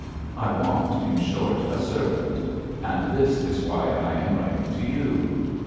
I want, in short, a servant; and. this is why I am writing to you.